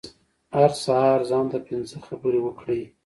هر سهار ځان ته پنځه خبرې وکړئ .